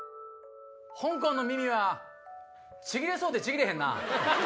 「ほんこんの耳はちぎれそうでちぎれへんな」。